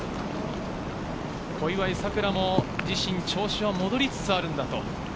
小祝さくらも自身、調子は戻りつつあるんだと。